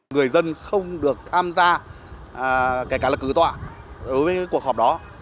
người dân không được tham gia kể cả là cử tòa đối với cuộc họp đó